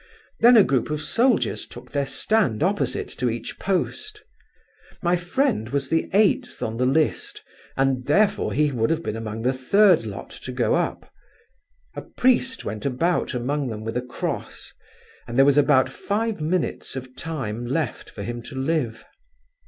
Then a group of soldiers took their stand opposite to each post. My friend was the eighth on the list, and therefore he would have been among the third lot to go up. A priest went about among them with a cross: and there was about five minutes of time left for him to live.